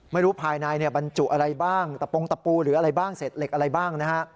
ไม่รู้ภายในบรรจุอะไรบ้างตะโปรงตะปูเหลืออะไรบ้างเสร็จเหล็กอะไรบ้าง